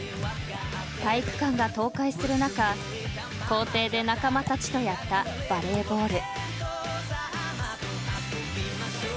［体育館が倒壊する中校庭で仲間たちとやったバレーボール］